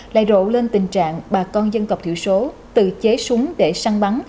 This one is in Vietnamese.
lại rộ lên tình trạng bà con dân tộc thiểu số tự chế súng để săn bắn